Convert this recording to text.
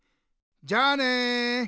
じゃあね！